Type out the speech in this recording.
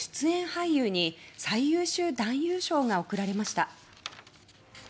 俳優に最優秀男優賞が贈られました。